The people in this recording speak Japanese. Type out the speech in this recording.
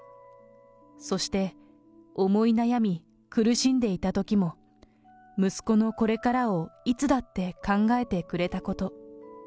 そして思い悩み、苦しんでいたときも息子のこれからをいつだって考えてくれたこと。